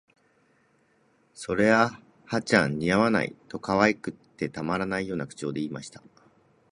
「それあ、葉ちゃん、似合わない」と、可愛くてたまらないような口調で言いました